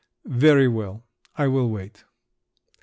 "Very well; I will wait."